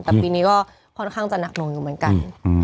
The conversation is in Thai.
แต่ปีนี้ก็ค่อนข้างจะหนักหน่วงอยู่เหมือนกัน